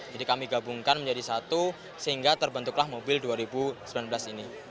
jadi kami gabungkan menjadi satu sehingga terbentuklah mobil dua ribu sembilan belas ini